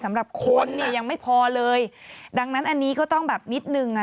สำหรับคนเนี่ยยังไม่พอเลยดังนั้นอันนี้ก็ต้องแบบนิดนึงอ่ะ